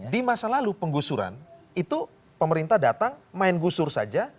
di masa lalu penggusuran itu pemerintah datang main gusur saja